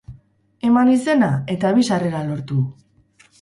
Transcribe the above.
Eman izena eta bi sarrera lortu!